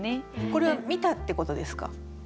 これは見たってことですか？